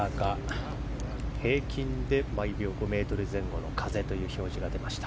平均で毎秒５メートル前後の風という表示が出ました。